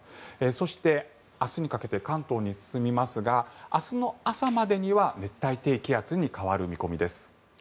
そして、明日にかけて関東に進みますが明日の朝までには熱帯低気圧に変わる見込みです。